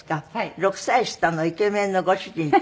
６歳下のイケメンのご主人と。